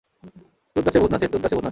তুঁতগাছে ভূত নাচে, তুঁতগাছে ভূত নাচে।